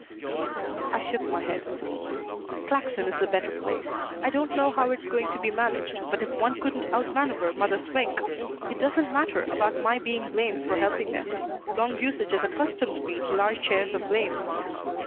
I shook my head. "Claxon is the better place. I don't know how it's going to be managed, but if one couldn't outmanoeuver mother Swink . It doesn't matter about my being blamed for helping them. Long usage has accustomed me to large shares of blame."